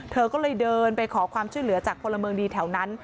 เธอก็เลยเดินไปขอความช่วยเหลือจากพลเมืองดีแถวนั้น